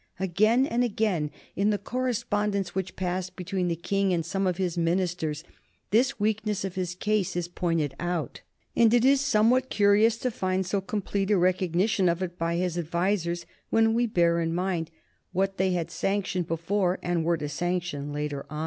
Again and again in the correspondence which passed between the King and some of his ministers this weakness of his case is pointed out, and it is somewhat curious to find so complete a recognition of it by his advisers when we bear in mind what they had sanctioned before and were to sanction later on.